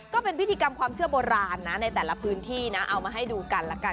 ก็เป็นพิธีกรรมความเชื่อโบราณนะในแต่ละพื้นที่นะเอามาให้ดูกันละกัน